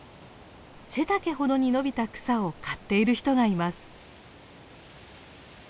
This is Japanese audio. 背丈ほどに伸びた草を刈っている人がいます。